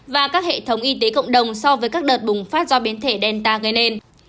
và các hệ thống y tế cộng đồng so với các đợt bùng phát do biến thể delta gây nên